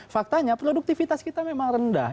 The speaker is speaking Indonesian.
faktanya produktivitas kita memang rendah